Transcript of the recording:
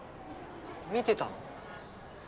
見てたの？